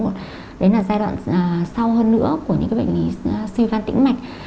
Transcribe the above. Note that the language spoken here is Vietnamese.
đấy là giai đoạn sau hơn nữa của những bệnh lý suy van tĩnh mạch